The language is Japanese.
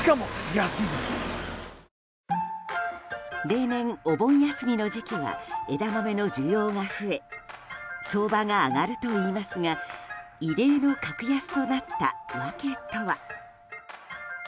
例年、お盆休みの時期は枝豆の需要が増え相場が上がるといいますが異例の格安となった訳とは？